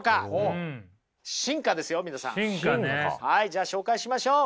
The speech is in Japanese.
じゃあ紹介しましょう。